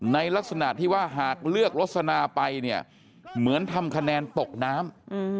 ในลักษณะที่ว่าหากเลือกลสนาไปเนี่ยเหมือนทำคะแนนตกน้ำ